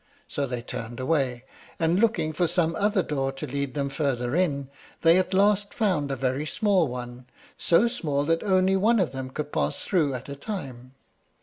So they turned away, and, looking for some other door to lead them farther in, they at last found a very small one, so small that only one of them could pass through at a time.